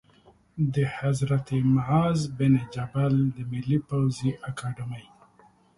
د حضرت معاذ بن جبل د ملي پوځي اکاډمۍ